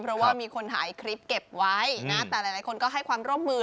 เพราะว่ามีคนถ่ายคลิปเก็บไว้นะแต่หลายคนก็ให้ความร่วมมือ